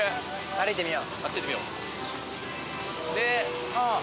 歩いてみよう。